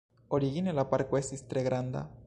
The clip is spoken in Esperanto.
Origine la parko estis tre granda.